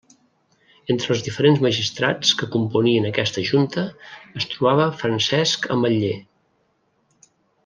Entre els diferents magistrats que componien aquesta junta es trobava Francesc Ametller.